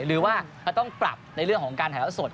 หรือว่าเราต้องปรับในเรื่องของการถ่ายละสด